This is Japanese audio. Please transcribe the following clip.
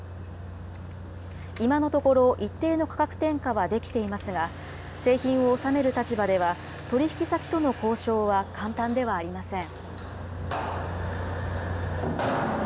今のところ、一定の価格転嫁はできていますが、製品を納める立場では、取り引き先との交渉は簡単ではありません。